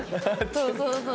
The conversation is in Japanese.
そうそうそう。